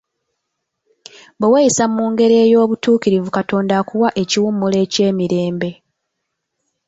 Bwe weeyisa mu ngeri ey'obutuukirivu Katonda akuwa ekiwummulo eky'emirembe.